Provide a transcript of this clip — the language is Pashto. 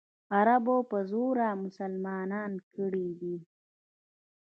عربو په زوره مسلمانان کړي دي.